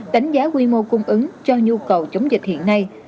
đánh giá quy mô cung ứng cho nhu cầu chống dịch hiện nay